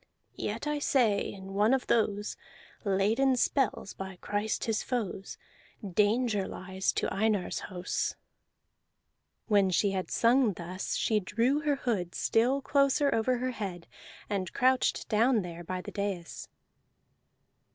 Yet I say in one of those, Laid in spells by Christ his foes, Danger lies to Einar's house." When she had sung thus, she drew her hood still closer over her head and crouched down there by the dais.